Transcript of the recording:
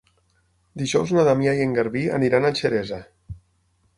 Dijous na Damià i en Garbí aniran a Xeresa.